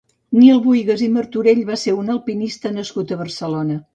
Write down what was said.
Nil Bohigas i Martorell va ser un alpinista nascut a Barcelona.